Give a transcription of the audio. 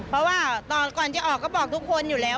เพราะว่าก่อนจะออกก็บอกทุกคนอยู่แล้ว